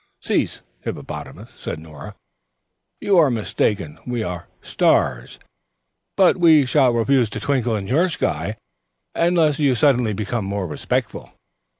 "Cease, Hippopotamus," said Nora. "You are mistaken. We are stars, but we shall refuse to twinkle in your sky unless you suddenly become more respectful."